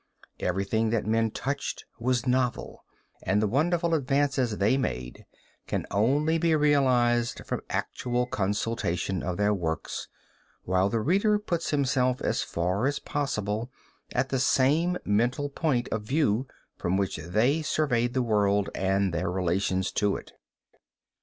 Everything that men touched was novel, and the wonderful advances they made can only be realized from actual consultation of their works, while the reader puts himself as far as possible at the same mental point of view from which they surveyed the world and their relations to it.